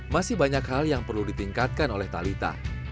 masih banyak hal yang perlu ditingkatkan oleh talitha